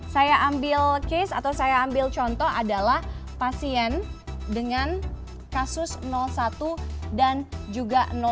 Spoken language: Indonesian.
saya ambil case atau saya ambil contoh adalah pasien dengan kasus satu dan juga satu